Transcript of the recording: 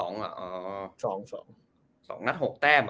๒นัด๖แต้ม